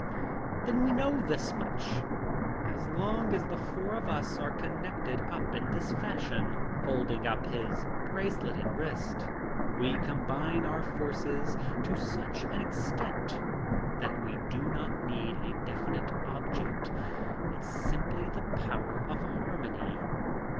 "Then we know this much: So long as the four of us are connected up in this fashion" holding up his braceleted wrists "we combine our forces to such an extent that we do not need a definite object. It's simply the power of harmony."